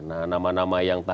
nah nama nama yang tadi